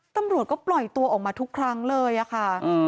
ตำรวจก็ปล่อยตัวออกมาทุกครั้งเลยอะค่ะ